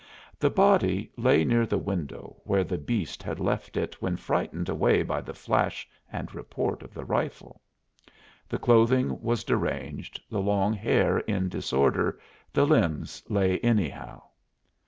The body lay near the window, where the beast had left it when frightened away by the flash and report of the rifle. The clothing was deranged, the long hair in disorder, the limbs lay anyhow.